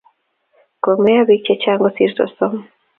Komeiyo biik chechang kosir sosom